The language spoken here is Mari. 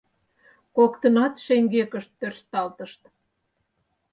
Коктынат шеҥгекышт тӧршталтышт.